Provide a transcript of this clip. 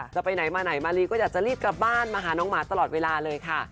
จะไปไหนมาไหนมารีก็อยากจะรีบกลับบ้านมาหาน้องหมาตลอดเวลาเลยค่ะ